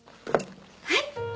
はい！